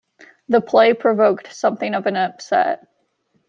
The play provoked something of an upset.